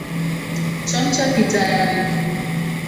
Chamcha ki tayari.